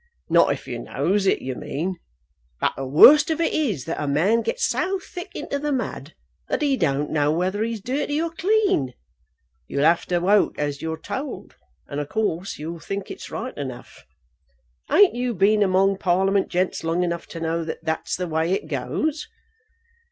"Not if you knows it, you mean. But the worst of it is that a man gets so thick into the mud that he don't know whether he's dirty or clean. You'll have to wote as you're told, and of course you'll think it's right enough. Ain't you been among Parliament gents long enough to know that that's the way it goes?"